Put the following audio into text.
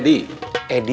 dia orang suruhan edi